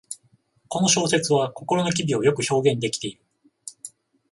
この小説は心の機微をよく表現できている